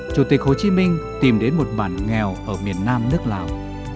chủ tịch hồ chí minh tìm đến một bản nghèo ở miền nam nước lào